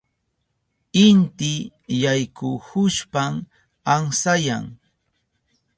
Inti yaykuhushpan amsayan.